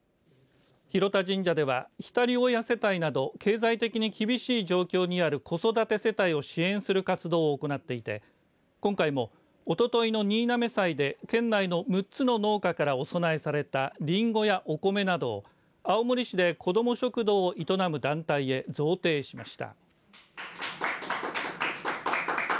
廣田神社では１人親世帯など経済的に厳しい状況にある子育て世帯を支援する活動を行っていて、今回もおとといの新嘗祭で県内の６つの農家からお供えされたりんごやお米などを青森市で子ども食堂を営む団体へ贈呈しました。